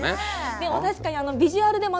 でも確かに。